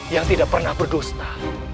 yang tidak pernah berdusta